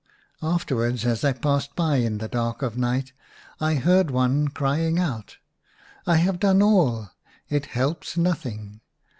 Afterwards, as I passed by in the dark of night, I heard one crying out, ' I have done all. It helps nothing!